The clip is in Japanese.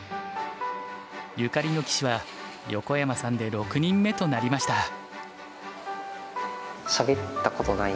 ゆかりの棋士は横山さんで６人目となりました。